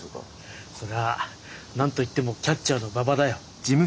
それは何と言ってもキャッチャーの馬場だよ。